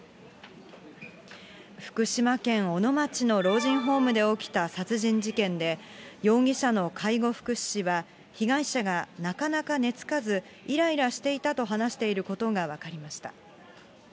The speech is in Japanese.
福島県小野町の老人ホームで起きた殺人事件で、容疑者の介護福祉士は、被害者がなかなか寝つかず、いらいらしていたと話していることが分かりました。